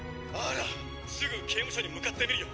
「すぐ刑務所に向かってみるよ。